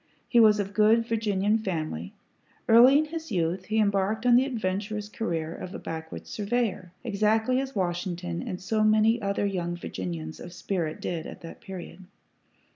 He was of good Virginian family. Early in his youth, he embarked on the adventurous career of a backwoods surveyor, exactly as Washington and so many other young Virginians of spirit did at that period.